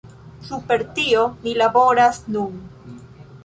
Super tio ni laboras nun.